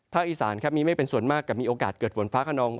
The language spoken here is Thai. อีสานครับมีเมฆเป็นส่วนมากกับมีโอกาสเกิดฝนฟ้าขนอง